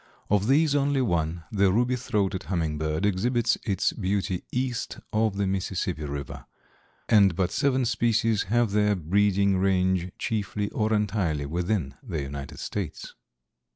Of these only one, the ruby throated hummingbird, exhibits its beauty east of the Mississippi River, and but seven species have their breeding range chiefly or entirely within the United States.